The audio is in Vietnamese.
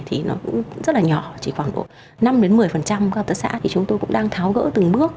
thì nó cũng rất là nhỏ chỉ khoảng độ năm một mươi các hợp tác xã thì chúng tôi cũng đang tháo gỡ từng bước